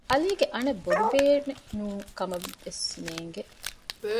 ޢަލީގެ އަނެއް ބޮޑުބޭނެ ނޫންކަމެއް ވެސް ނޭނގެ